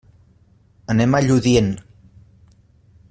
Anem a Lludient.